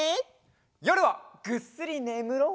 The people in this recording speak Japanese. よるはぐっすりねむろう！